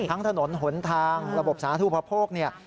ทั้งถนนหนทางระบบสาธุพะโพกเนี่ย